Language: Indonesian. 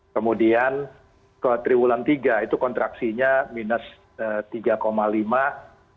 kemudian ke triwulan tiga itu kontraksinya minus tiga lima persen